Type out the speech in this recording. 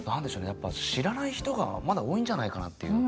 やっぱ知らない人がまだ多いんじゃないかなっていう。